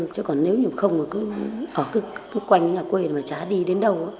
chứ còn nếu như không mà cứ ở cứ quanh nhà quê mà chả đi đến đâu